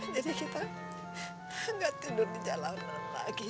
jadi kita gak tidur di jalanan lagi